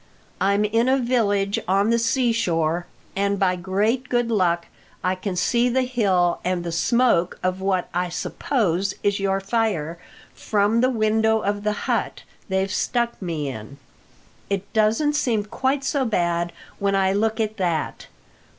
I'm in a village on the sea shore, and by great good luck I can see the hill and the smoke of what, I suppose, is your fire, from the window of the hut they've stuck me in. It doesn't seem quite so bad when I look at that....